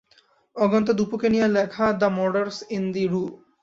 অগাস্ত দ্যুপোঁকে নিয়ে লেখা the murders in the রু।